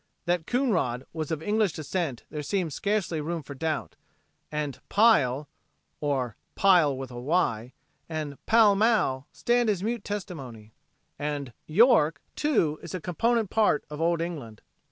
That Coonrod was of English descent there seems scarcely room for doubt, and "Pile," or "Pyle" and "Pall Mall" stand as mute testimony. And "York" too is a component part of old England.